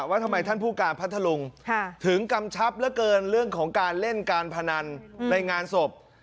ว่าทำไมท่านผู้การพัทธลุงถึงกำชับเหลือเกินเรื่องของการเล่นการพนันในงานศพ